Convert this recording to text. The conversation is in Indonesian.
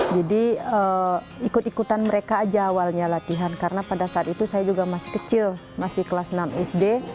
jadi ikut ikutan mereka aja awalnya latihan karena pada saat itu saya juga masih kecil masih kelas enam sd